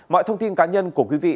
mọi thông tin cá nhân của quý vị